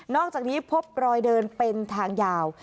อกจากนี้พบรอยเดินเป็นทางยาว